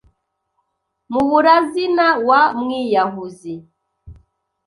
Muburazina wa Mwiyahuzi